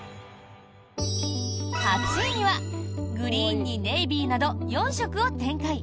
８位にはグリーンにネイビーなど４色を展開